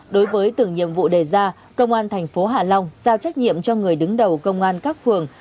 đối với từng nhiệm vụ đề ra công an thành phố hạ long giao trách nhiệm cho người đứng đầu công an các phường